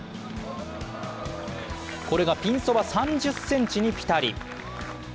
これがピンそば３０ｃｍにピタリ。